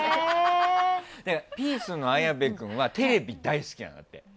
ピースの綾部君はテレビ大好きなんだって。